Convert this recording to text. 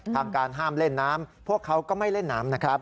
ทางการห้ามเล่นน้ำพวกเขาก็ไม่เล่นน้ำนะครับ